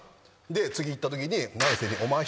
次行ったときに。